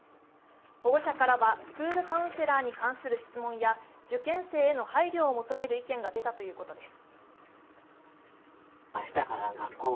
保護者からはスクールカウンセラーに関する質問や受験生への配慮を求める意見が出たということです。